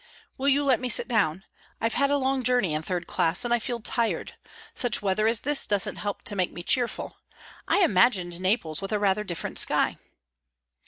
"Will you let me sit down? I've had a long journey in third class, and I feel tired. Such weather as this doesn't help to make me cheerful. I imagined Naples with a rather different sky."